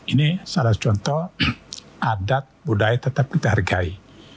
ini salah contoh adat budaya tetap kita hargai